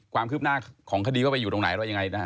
ความคืบหน้าของคดีว่าไปอยู่ตรงไหนอะไรยังไงนะฮะ